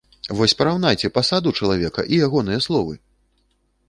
Вось параўнайце пасаду чалавека і ягоныя словы!